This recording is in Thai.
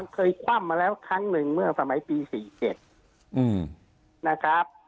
คว่ำมาแล้วครั้งหนึ่งเมื่อสมัยปี๔๗นะครับ